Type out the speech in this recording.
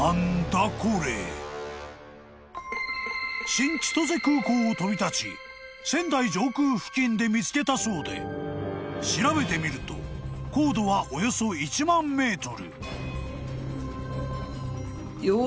［新千歳空港を飛び立ち仙台上空付近で見つけたそうで調べてみると高度はおよそ１万ｍ］